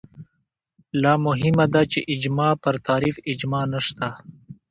لا مهمه دا چې اجماع پر تعریف اجماع نشته